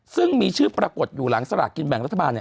ซึ่งมีชื่อปรากฏอยู่หลังสลากกินแบ่งรัฐบาล